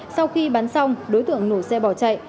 sau khi bắn xong đối tượng nổ xe bỏ chạy